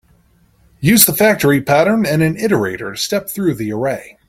Use the factory pattern and an iterator to step through the array.